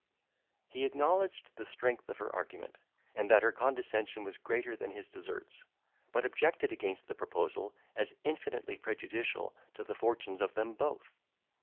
He acknowledged the strength of her argument, and that her condescension was greater than his deserts, but objected against the proposal, as infinitely prejudicial to the fortunes of them both.